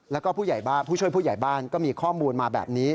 แล้วก็ผู้ช่วยผู้ใหญ่บ้านก็มีข้อมูลมาแบบนี้